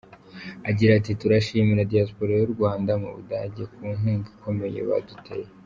Agira ati “Turashimira Diaspora y’u Rwanda mu Budage ku nkunga ikomeye baduteye.